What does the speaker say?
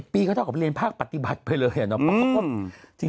ปีก็เท่ากับเรียนภาคปฏิบัติไปเลยอะเนาะ